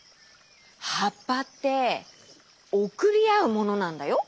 はっぱっておくりあうものなんだよ！